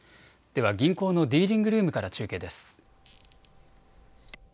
では銀行のディーリングルームから中継です。